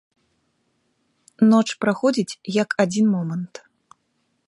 Ноч праходзіць, як адзін момант.